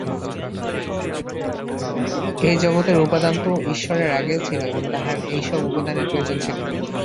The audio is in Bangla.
এই জগতের উপাদান তো ঈশ্বরের আগেও ছিল এবং তাঁহার এইসব উপাদানের প্রয়োজন ছিল।